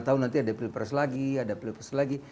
lima tahun nanti ada pilpres lagi